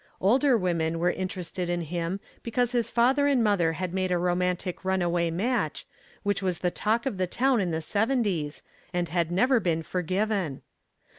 Older women were interested in him because his father and mother had made a romantic runaway match, which was the talk of the town in the seventies, and had never been forgiven.